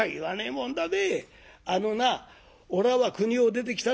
そんでおらは国を出てきただ。